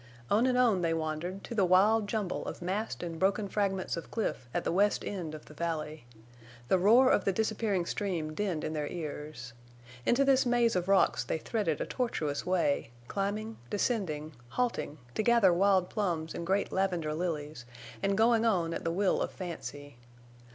On and on they wandered to the wild jumble of massed and broken fragments of cliff at the west end of the valley. The roar of the disappearing stream dinned in their ears. Into this maze of rocks they threaded a tortuous way, climbing, descending, halting to gather wild plums and great lavender lilies, and going on at the will of fancy.